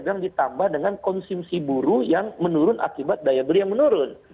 jangan lagi ditambah dengan konsumsi buru yang menurun akibat daya beli yang menurun